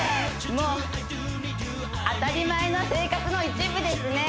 もう当たり前の生活の一部ですね